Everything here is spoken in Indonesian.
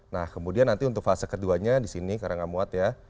nah kemudian nanti untuk fase keduanya di sini karena gak muat ya